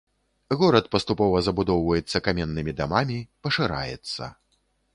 Горад паступова забудоўваецца каменнымі дамамі, пашыраецца.